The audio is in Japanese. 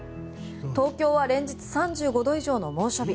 東京は連日３５度以上の猛暑日。